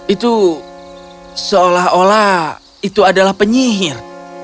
itu seolah olah itu adalah penyihir